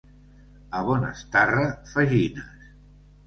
A Bonestarre, fagines.